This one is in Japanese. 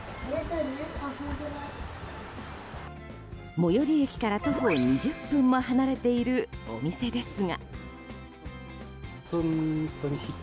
最寄駅から徒歩２０分も離れているお店ですが。